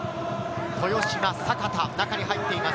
豊嶋、阪田、中に入っています。